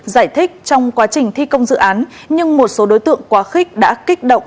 giải thích trong quá trình thi công dự án nhưng một số đối tượng quá khích đã kích động